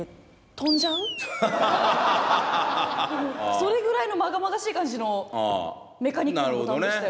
それぐらいのまがまがしい感じのメカニックなボタンでしたよ。